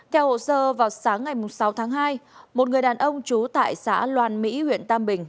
theo hồ sơ vào sáng ngày sáu tháng hai một người đàn ông trú tại xã loan mỹ huyện tam bình